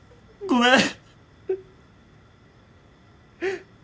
ごめん。